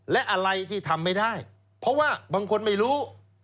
และอะไรที่ทำไม่ได้เพราะว่าบางคนไม่รู้